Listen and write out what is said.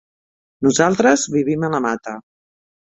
Nosaltres vivim a la Mata.